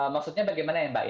maksudnya bagaimana ya mbak